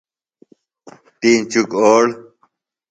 ٹِینچُک اوڑہ۔